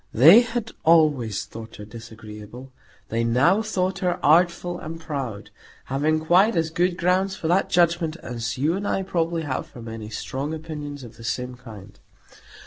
They had always thought her disagreeable; they now thought her artful and proud; having quite as good grounds for that judgment as you and I probably have for many strong opinions of the same kind.